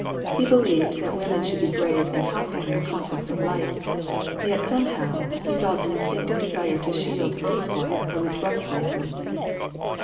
He believed that women should be brave and helpful in the conflicts of life, and yet somehow, he felt an instinctive desire to shield this one from its rough places.